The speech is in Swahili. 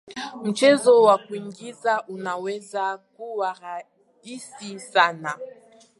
mchezo wa kuigiza unaweza kuwa rahisi sana